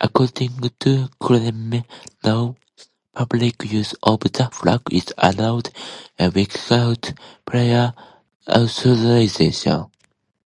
According to Chilean law, public use of the flag is allowed without prior authorization.